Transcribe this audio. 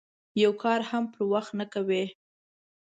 یو کار هم پر وخت نه کوي.